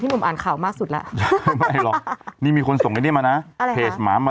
สงสัยน้องโก้นน้ำเลยค่ะ